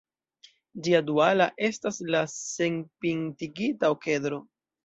Ĝia duala estas la senpintigita okedro.